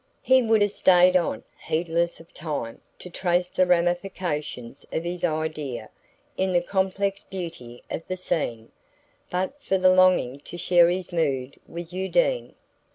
He would have stayed on, heedless of time, to trace the ramifications of his idea in the complex beauty of the scene, but for the longing to share his mood with Undine.